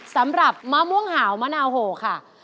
สำหรับมะม่วงหาวมะนาวโหค่ะ